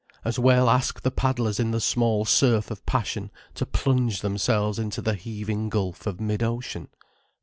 As well ask the paddlers in the small surf of passion to plunge themselves into the heaving gulf of mid ocean.